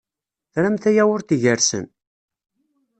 Tramt ayawurt igersen?